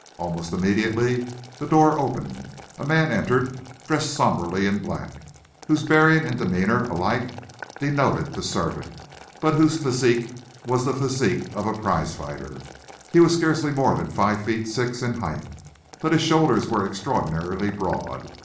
Almost immediately the door opened. A man entered, dressed somberly in black, whose bearing and demeanour alike denoted the servant, but whose physique was the physique of a prize fighter. He was scarcely more than five feet six in height, but his shoulders were extraordinarily broad.